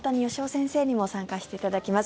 先生にも参加していただきます。